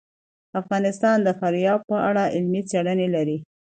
افغانستان د فاریاب په اړه علمي څېړنې لري.